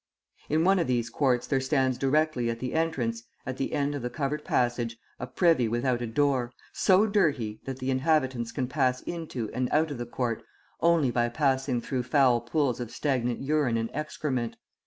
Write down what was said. In one of these courts there stands directly at the entrance, at the end of the covered passage, a privy without a door, so dirty that the inhabitants can pass into and out of the court only by passing through foul pools of stagnant urine and excrement.